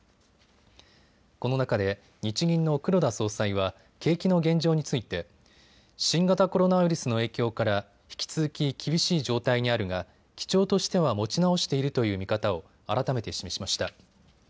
この中で日銀の黒田総裁は景気の現状について新型コロナウイルスの影響から引き続き厳しい状態にあるが、基調としては持ち直しているという見方を改めて示しました。